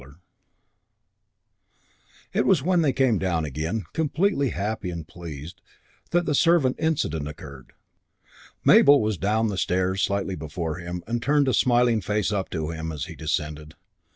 VII It was when they came down again, completely happy and pleased, that the servant incident occurred. Mabel was down the stairs slightly before him and turned a smiling face up to him as he descended.